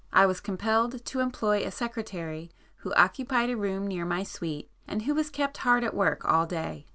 I was compelled to employ a secretary, who occupied a room near my suite, and who was kept hard at work all day.